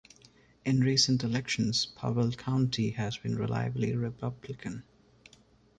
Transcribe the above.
In recent elections, Powell County has been reliably Republican.